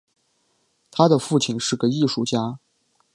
他的父亲是个艺术家。